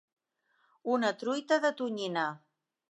Una truita de tonyina.